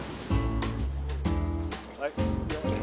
はい。